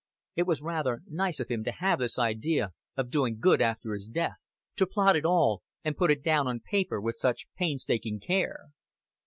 It was rather nice of him to have this idea of doing good after his death, to plot it all, and put it down on paper with such painstaking care.